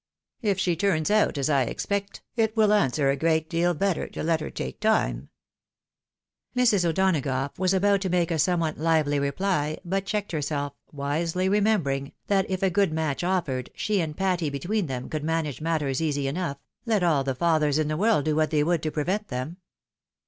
If she turns out as I expect, it wQl answer a great deal better to let her take time." IMPORTANT OBITUARY. 47 Mrs. O'Donagough was about to make a somewhat lively reply, but checked herself, wisely remembering, that if a good match offered, she and Patty between them could manage matters easy enough, let all the fathers in the world do what they would to prevent them.